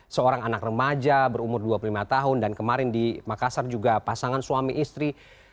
seorang anak remaja berumur dua puluh lima tahun dan kemarin di makassar juga pasangan suami istri